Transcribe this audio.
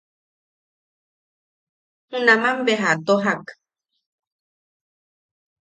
Junaman beja a tojak.